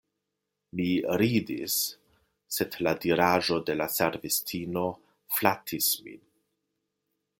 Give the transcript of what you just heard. Mi ridis, sed la diraĵo de la servistino flatis min.